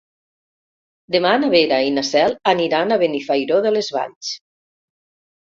Demà na Vera i na Cel aniran a Benifairó de les Valls.